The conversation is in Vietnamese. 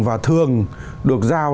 và thường được giao